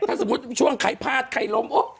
ถ้าสมมุติช่วงใครพลาดใครล้ม